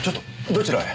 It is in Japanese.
どちらへ？